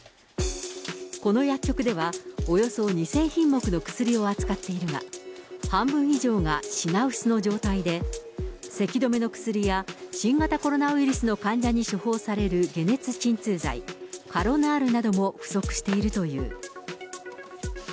この薬局ではおよそ２０００品目の薬を扱っているが、半分以上が品薄の状態で、せき止めの薬や、新型コロナウイルスの患者に処方される解熱鎮痛剤、カロナールなども不足しているという。